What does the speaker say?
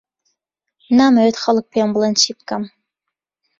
نامەوێت خەڵک پێم بڵێن چی بکەم.